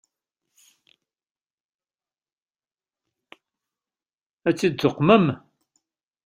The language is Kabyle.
Ad tt-id-tuqmem?